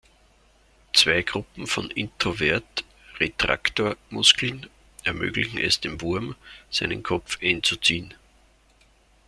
Zwei Gruppen von "Introvert-Retraktor-Muskeln" ermöglichen es dem Wurm, seinen Kopf einzuziehen.